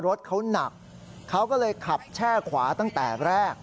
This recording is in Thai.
รถเขาหนักเขาก็เลยขับแช่ขวาตั้งแต่แรก